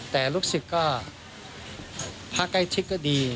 แต่รู้สึกก็พระใกล้ชิดก็ดี